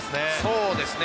そうですね。